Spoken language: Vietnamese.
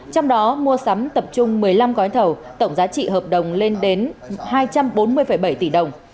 trong đó mua sắm tập trung một mươi năm gói thầu tổng giá trị hợp đồng lên đến hai trăm bốn mươi năm